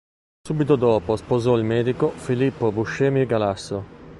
Subito dopo sposò il medico Filippo Buscemi Galasso.